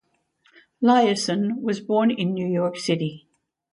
Liasson was born in New York City.